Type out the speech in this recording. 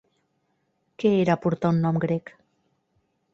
Què era portar un nom grec?